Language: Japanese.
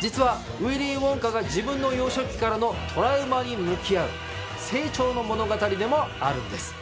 実はウィリー・ウォンカが自分の幼少期からのトラウマに向き合う成長の物語でもあるんです。